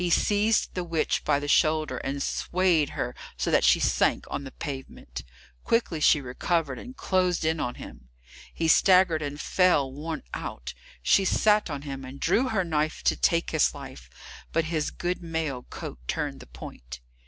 He seized the witch by the shoulder and swayed her so that she sank on the pavement. Quickly she recovered, and closed in on him; he staggered and fell, worn out. She sat on him, and drew her knife to take his life, but his good mail coat turned the point.